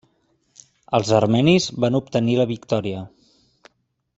Els armenis van obtenir la victòria.